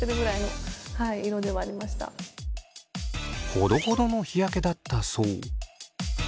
ほどほどの日焼けだったそう。